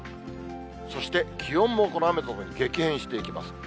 そして、気温もこの雨とともに激変していきます。